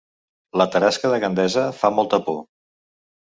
La tarasca de Gandesa fa molta por